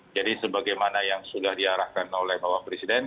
jadi sebagaimana yang sudah diarahkan oleh bapak presiden